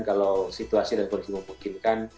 kalau situasi dan kondisi memungkinkan